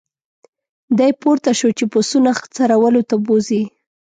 دی پورته شو چې پسونه څرولو ته بوزي.